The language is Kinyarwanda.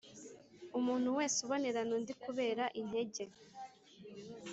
Umuntu wese ubonerana undi kubera intege